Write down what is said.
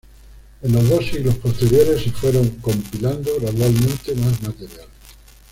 En los dos siglos posteriores se fueron compilando gradualmente más material.